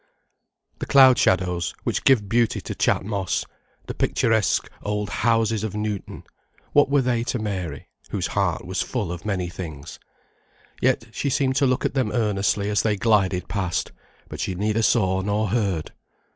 The cloud shadows which give beauty to Chat Moss, the picturesque old houses of Newton, what were they to Mary, whose heart was full of many things? Yet she seemed to look at them earnestly as they glided past; but she neither saw nor heard.